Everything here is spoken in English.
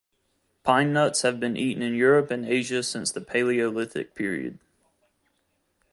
Pine nuts have been eaten in Europe and Asia since the Paleolithic period.